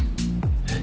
えっ？